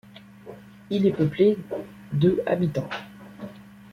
Il est peuplé de habitants.